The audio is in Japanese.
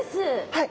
はい。